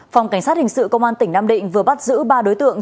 phòng cảnh sát hình sự công an tỉnh nam định vừa bắt giữ ba đối tượng